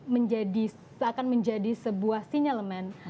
menjadi akan menjadi sebuah sinyalemen